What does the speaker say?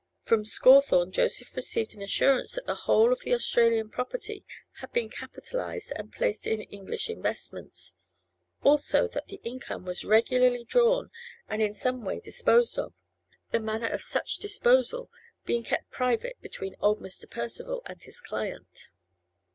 From Scawthorne Joseph received an assurance that the whole of the Australian property had been capitalised and placed in English investments; also, that the income was regularly drawn and in some way disposed of; the manner of such disposal being kept private between old Mr. Percival and his client.